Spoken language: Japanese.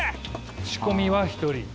仕込みは一人？